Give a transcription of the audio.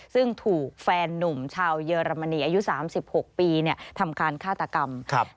ซึ่งถูกแฟนนุ่มชาวเยอรมนีอายุ๓๖ปีทำการฆาตกรรม